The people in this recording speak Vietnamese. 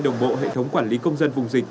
đồng bộ hệ thống quản lý công dân vùng dịch